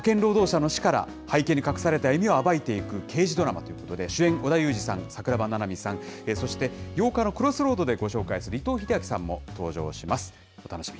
ある派遣労働者の死から、背景に隠された意味を暴いていく刑事ドラマということで、主演、織田裕二さん、桜庭ななみさん、そして８日のクロスロードでご紹介する伊藤英明さんも登場します。